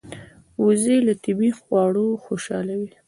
وزې له طبیعي خواړو خوشاله وي